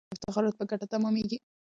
افتخارات په ګټه تمامیږي.